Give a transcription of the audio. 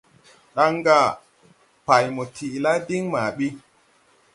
Ɗaŋ: « Pay mo tiʼ la diŋ ma ɓi.